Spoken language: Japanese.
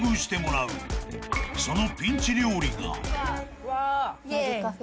［そのピンチ料理が］